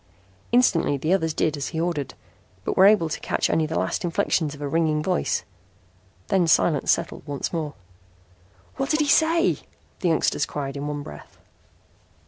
Instantly the others did as he ordered, but were able to catch only the last inflections of a ringing voice. Then silence settled once more. "What did he say," the youngsters cried in one breath.